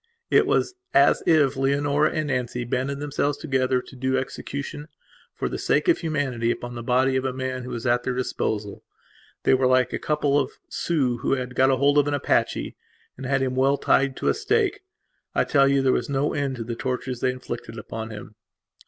It was as if Leonora and Nancy banded themselves together to do execution, for the sake of humanity, upon the body of a man who was at their disposal. They were like a couple of Sioux who had got hold of an Apache and had him well tied to a stake. I tell you there was no end to the tortures they inflicted upon him.